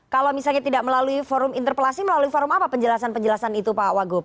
kalau misalnya tidak melalui forum interpelasi melalui forum apa penjelasan penjelasan itu pak wagub